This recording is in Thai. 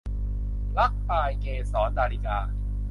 รักปลายเกสร - ดาริกา